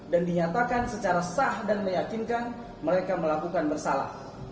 dan dinyatakan secara sah dan meyakinkan mereka melakukan bersalah